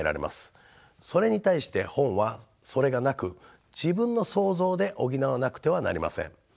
それに対して本はそれがなく自分の想像で補わなくてはなりません。